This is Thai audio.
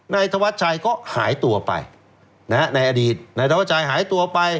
ในธวัดชัยก็หายตัวไปในอดีตในธวัดชัยหายตัวไป